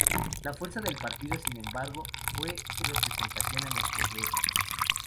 La fuerza del partido, sin embargo, fue su representación en el Congreso.